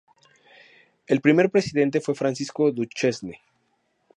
El primer presidente fue Francisco Duchesne.